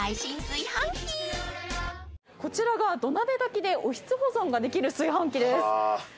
こちらが土鍋炊きでおひつ保存ができる炊飯器です。